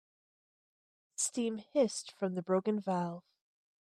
Steam hissed from the broken valve.